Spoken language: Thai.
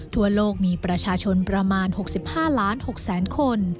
ทั่วโลกมีประชาชนประมาณ๖๕ล้าน๖แสนคน